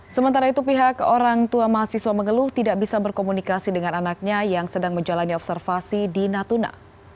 sementara itu pihak orang tua mahasiswa mengeluh tidak bisa berkomunikasi dengan anaknya yang sedang menjalani observasi di natuna